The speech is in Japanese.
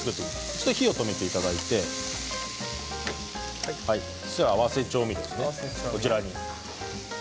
ちょっと火を止めていただいて合わせ調味料ですね、こちらに。